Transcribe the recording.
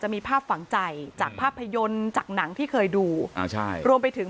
มีภาพฝังใจจากภาพยนตร์จากหนังที่เคยดูอ่าใช่รวมไปถึง